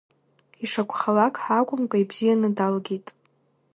Ишакәхалак ҳәа акәымкәа, ибзианы далгеит.